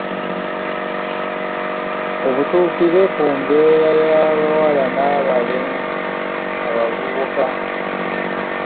Obutuukire ku mbeera y’abawala n’abalenzi abavubuka